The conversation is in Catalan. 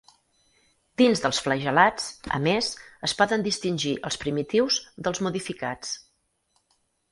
Dins dels flagel·lats, a més, es poden distingir els primitius dels modificats.